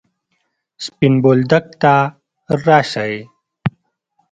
سپين بولدک ته راسئ!